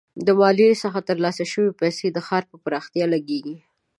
د مالیې څخه ترلاسه شوي پیسې د ښار پر پراختیا لګیږي.